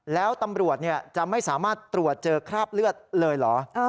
แล้วตำรวจจะไม่สามารถตรวจเจอคราบเลือดเลยเหรอ